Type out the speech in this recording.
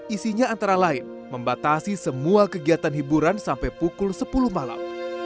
isinya antara lain membatasi semua kegiatan hiburan sampai pukul sepuluh malam